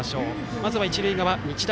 まずは一塁側日大